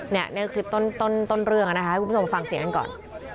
เนี่ยนี่คือต้นเรื่องนะคะให้คุณผู้ชมฟังเสียงก่อน